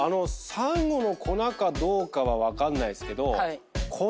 サンゴの粉かどうかは分かんないですけど。